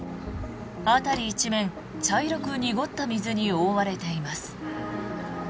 辺り一面、茶色く濁った水に覆われています。